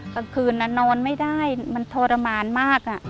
กลางคืนนอนไม่ได้มันทรมานมาก